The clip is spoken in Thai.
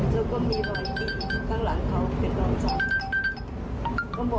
แล้วก็มีรอยตีข้างหลังเขาเป็นรอยสัก